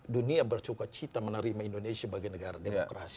dunia bersuka cita menerima indonesia sebagai negara demokrasi